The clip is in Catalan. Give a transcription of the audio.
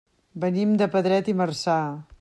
Venim de Pedret i Marzà.